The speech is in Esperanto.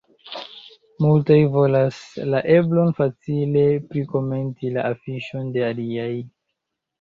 Multaj volas la eblon facile prikomenti la afiŝon de aliaj.